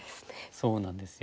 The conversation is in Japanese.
そうなんですよ。